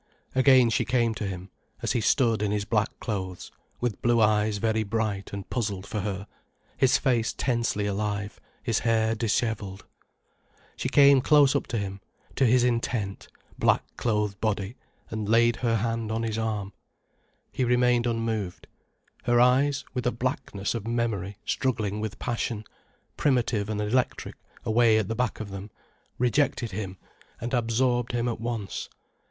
Again she came to him, as he stood in his black clothes, with blue eyes very bright and puzzled for her, his face tensely alive, his hair dishevelled. She came close up to him, to his intent, black clothed body, and laid her hand on his arm. He remained unmoved. Her eyes, with a blackness of memory struggling with passion, primitive and electric away at the back of them, rejected him and absorbed him at once.